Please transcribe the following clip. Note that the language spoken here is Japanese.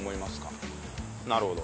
なるほど。